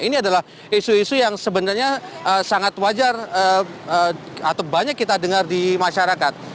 ini adalah isu isu yang sebenarnya sangat wajar atau banyak kita dengar di masyarakat